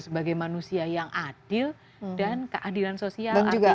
sebagai manusia yang adil dan keadilan sosial artinya sistemnya yang adil